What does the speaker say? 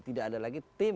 tidak ada lagi tim